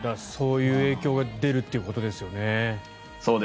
そういう影響が出るっていうことですよね。